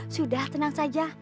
sudah tenang saja